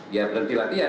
ya berhenti latihan